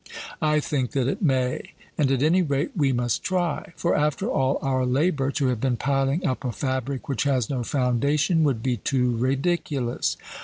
I think that it may; and at any rate we must try; for, after all our labour, to have been piling up a fabric which has no foundation would be too ridiculous.